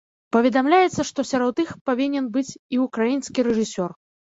Паведамляецца, што сярод іх павінен быць і ўкраінскі рэжысёр.